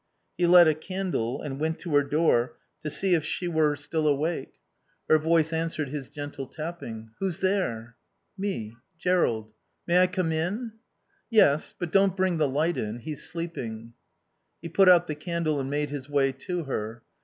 He lit a candle and went to her door to see if she were still awake. Her voice answered his gentle tapping, "Who's there?" "Me. Jerrold. May I come in?" "Yes. But don't bring the light in. He's sleeping." He put out the candle and made his way to her.